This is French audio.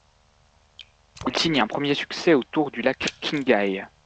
Il signe un premier succès au Tour du lac Qinghai.